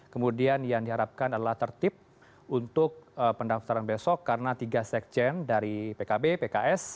kemudian yang diharapkan adalah tertib untuk pendaftaran besok karena tiga sekjen dari pkb pks